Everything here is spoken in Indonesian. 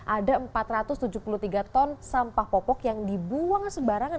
ada empat ratus tujuh puluh tiga ton sampah popok yang dibuang sembarangan